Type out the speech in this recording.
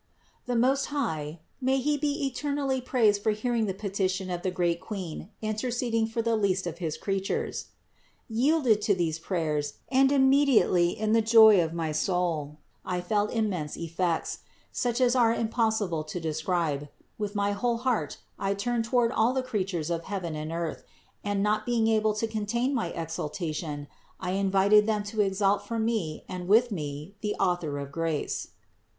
28. The Most High, (may He be eternally praised for hearing the petition of the great Queen interceding for the least of his creatures), yielded to these prayers, and immediately in the joy of my soul I felt immense effects, such as are impossible to describe ; with my whole heart I turned toward all the creatures of heaven and earth, and, not being able to contain my exultation, I invited them to exalt for me and with me the Author of grace.